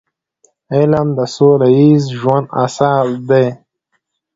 علم د سوله ییز ژوند اساس دی.